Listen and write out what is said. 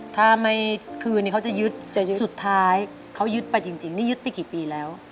ถ้าไม่คืนนี้เขาจะยึดจะยึดสุดท้ายเขายึดไปจริงนี่ยึดไปกี่ปีแล้ว